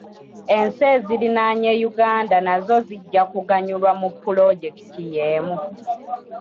Ensi eziriraanye Uganda nazo zijja kuganyulwa mu pulojekiti y'emu.